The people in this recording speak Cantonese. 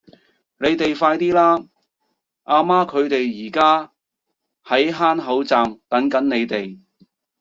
你哋快啲啦!阿媽佢哋而家喺坑口站等緊你哋